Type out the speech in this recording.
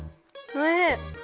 おいしい！